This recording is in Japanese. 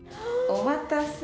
お待たせ。